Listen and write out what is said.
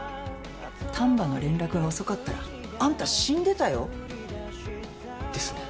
丹波の連絡が遅かったらあんた死んでたよ？ですね。